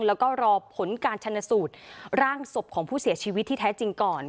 แล้วก็รอผลการชนสูตรร่างศพของผู้เสียชีวิตที่แท้จริงก่อน